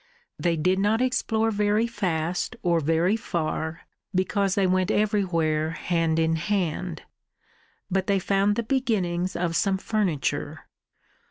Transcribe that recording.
They did not explore very fast or very far, because they went everywhere hand in hand; but they found the beginnings of some furniture.